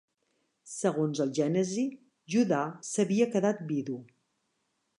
Segons el Gènesi, Judà s'havia quedat vidu.